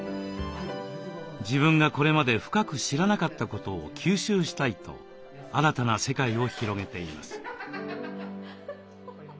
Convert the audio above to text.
自分がこれまで深く知らなかったことを吸収したいと新たな世界を広げています。